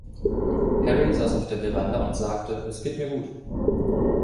Harry saß auf der Veranda und sagte: „Es geht mir gut.